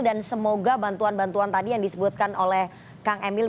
dan semoga bantuan bantuan tadi yang disebutkan oleh kang emil